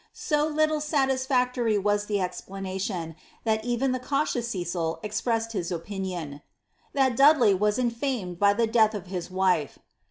So little satisfactory was the explanation, that even the cautious Cecil expressed his opinion ^ that Dudley was infamed by the death of his wife."